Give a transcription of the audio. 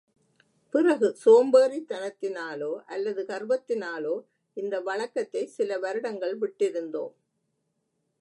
பிறகு சோம்பேறித்தனத்தினாலோ அல்லது கர்வத்தினாலோ இந்த வழக்கத்தைச் சில வருடங்கள் விட்டிருந்தோம்.